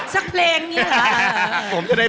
จากเพลงนี้หรอ